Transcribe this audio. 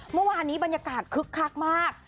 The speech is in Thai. เมื่อวานนี้บรรยากาศคึกคักมาก